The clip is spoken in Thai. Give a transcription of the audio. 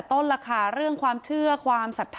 เอาเป็นว่าอ้าวแล้วท่านรู้จักแม่ชีที่ห่มผ้าสีแดงไหม